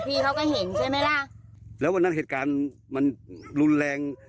พี่เขาก็เห็นใช่ไหมล่ะแล้ววันนั้นเหตุการณ์มันรุนแรง